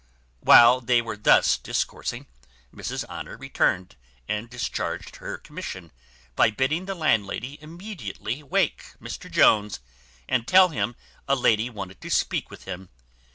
While they were thus discoursing, Mrs Honour returned and discharged her commission, by bidding the landlady immediately wake Mr Jones, and tell him a lady wanted to speak with him.